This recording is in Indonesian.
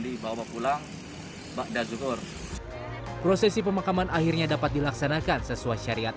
dibawa pulang bakda zuhur prosesi pemakaman akhirnya dapat dilaksanakan sesuai syariat